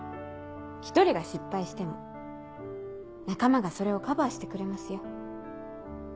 １人が失敗しても仲間がそれをカバーしてくれますよ。